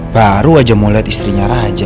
baru aja mau lihat istrinya raja